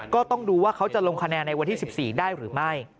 ก็ต้องดูว่าเขาจะลงคะแนนในวันที่๑๔ได้หรือไม่